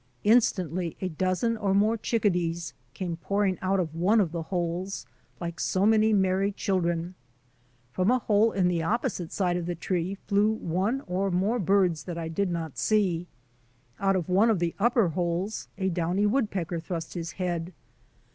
Instantly a dozen or more chickadees came pouring out of one of the holes like so many merry children. From a hole in the opposite side of the tree flew one or more birds that I did not see. Out of one of the upper holes a downy woodpecker thrust his head.